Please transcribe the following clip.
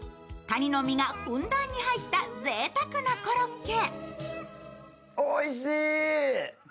かにの身がふんだんに入ったぜいたくなコロッケ。